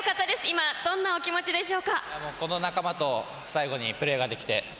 今どんなお気持ちでしょうか？